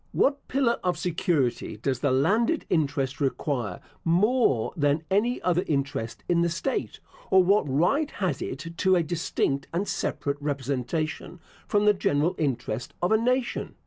What pillar of security does the landed interest require more than any other interest in the state, or what right has it to a distinct and separate representation from the general interest of a nation?